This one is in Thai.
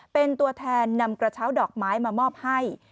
เป็นตัวแทนนำกระเช้าดอกไม้มามอบให้